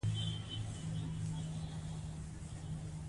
مور د ماشومانو د ساري ناروغیو څخه د ساتنې لپاره واکسین کوي.